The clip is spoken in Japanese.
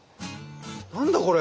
何だこれ？